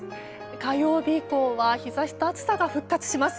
火曜日以降は日差しと暑さが復活します。